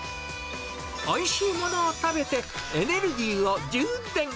おいしいものを食べて、エネルギーを充電。